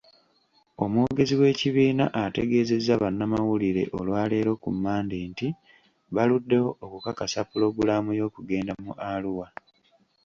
Omwogezi w'ekibiina, ategeezezza bannamawulire olwaleero ku Mmande nti, baluddewo okukakasa pulogulaamu y'okugenda mu Arua